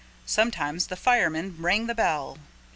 Sometimes the fireman rang the bell.